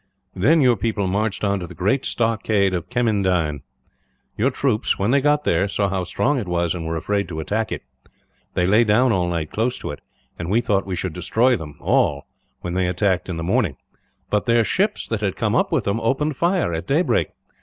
"Then your people marched on to the great stockade at Kemmendine. Your troops, when they got there, saw how strong it was and were afraid to attack it. They lay down all night, close to it; and we thought we should destroy them, all when they attacked in the morning; but their ships that had come up with them opened fire, at daybreak.